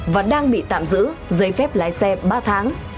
và đang bị tạm giữ giấy phép lái xe ba tháng